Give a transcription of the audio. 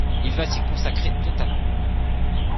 Il va s'y consacrer totalement.